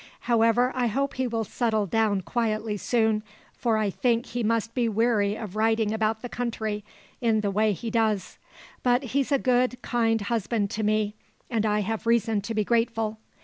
However, I hope he will settle down quietly soon, for I think he must be weary of riding about the country in the way he does; but he's a good, kind husband to me, and I have reason to be grateful.